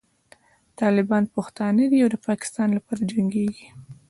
طالبان پښتانه دي او د پاکستان لپاره جنګېږي.